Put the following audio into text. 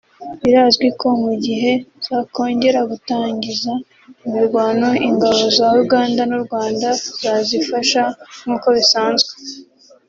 Birazwi ko mu gihe zakongera gutangiza imirwano ingabo za Uganda n’u Rwanda zazifasha nk’uko bisanzwe